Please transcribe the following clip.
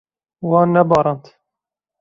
Wan nebarand.